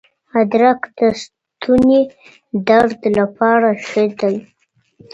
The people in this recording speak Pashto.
ادرک د ستوني درد لپاره ښه دی.